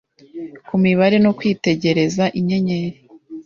ku mibare no kwitegereza inyenyeri